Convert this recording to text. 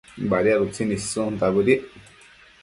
Badiad utsin issunta bëdic